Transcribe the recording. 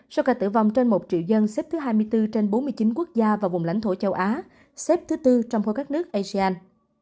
số ca tử vong trên một triệu dân xếp thứ hai mươi bốn trên bốn mươi chín quốc gia và vùng lãnh thổ châu á xếp thứ tư trong khối các nước asean